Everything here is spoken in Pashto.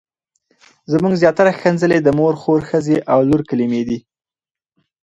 زموږ زياتره ښکنځلې د مور، خور، ښځې او لور کلمې دي.